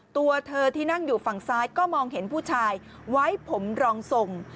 ตัวเธอที่นั่งอยู่ฝั่งซ้ายก็มองเห็นผู้ชายไว้ผมรองทรง